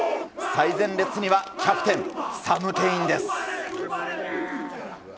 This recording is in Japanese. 最前列にはキャプテン、サム・ケインです。